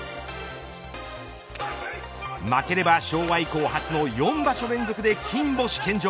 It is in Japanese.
負ければ、昭和以降初の４場所連続で金星献上。